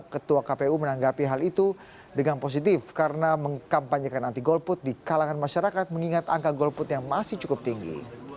ketua kpu menanggapi hal itu dengan positif karena mengkampanyekan anti golput di kalangan masyarakat mengingat angka golput yang masih cukup tinggi